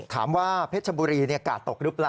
ถามว่าเพชรบุรีกาดตกหรือเปล่า